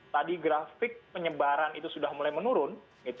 tadi grafik penyebaran itu sudah mulai menurun